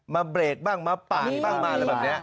เบรกบ้างมาปาดบ้างมาอะไรแบบนี้